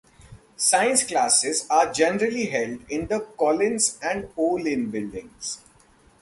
Science classes are generally held in the Collins and Olin buildings.